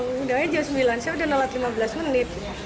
undang undangnya jam sembilan saya sudah nolot lima belas menit